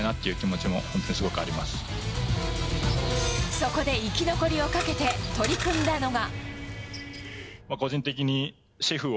そこで、生き残りをかけて取り組んだのが。